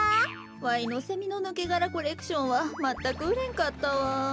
わいのセミのぬけがらコレクションはまったくうれんかったわ。